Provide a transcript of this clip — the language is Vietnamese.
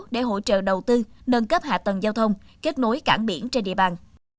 để hỗ trợ đầu tư nâng cấp hạ tầng giao thông kết nối cảng biển trên địa bàn